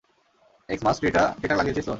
Xmas ট্রি-টা ঠিকঠাক লাগিয়েছিস তো?